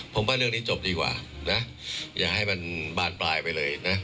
ผมว่าเรื่องนี้จบดีกว่านะอย่าให้มันบานปลายไปเลยนะ